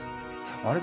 あれ？